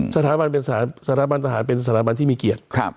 สถานบันทหารเป็นสถานบันที่มีเกียรติ